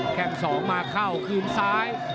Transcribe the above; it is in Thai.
แค่งสองมาเข้าคืนซ้าย